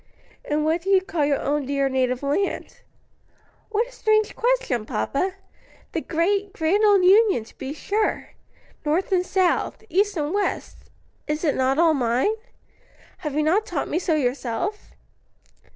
"And what do you call your own dear native land?" "What a strange question, papa! The great, grand old Union to be sure North and South, East and West is it not all mine? Have you not taught me so yourself?"